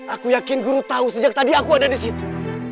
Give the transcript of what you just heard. aku yakin guru tahu sejak tadi aku ada di situ